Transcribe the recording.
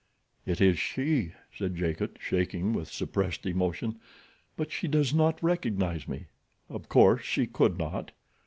"It is she," said Jacot, shaking with suppressed emotion; "but she does not recognize me—of course she could not."